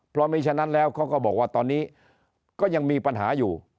เพราะมีฉะนั้นแล้วเขาก็บอกว่าตอนนี้ก็ยังมีปัญหาอยู่